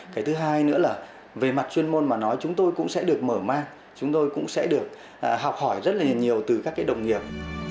cái thứ hai nữa là về mặt chuyên môn mà nói chúng tôi cũng sẽ được mở mang chúng tôi cũng sẽ được học hỏi rất là nhiều từ các cái đồng nghiệp